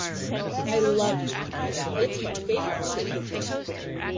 I love chocolate; it's my favorite food!